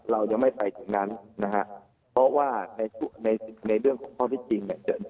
เรายังไม่ไปถึงนั้นนะครับเพราะว่าในเรื่องของข้อเท็จจริง